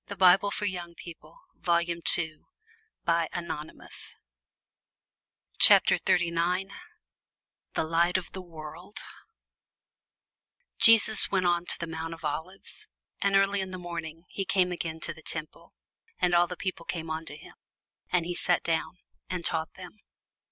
And every man went unto his own house. CHAPTER 39 THE LIGHT OF THE WORLD JESUS went unto the mount of Olives. And early in the morning he came again into the temple, and all the people came unto him; and he sat down, and taught them.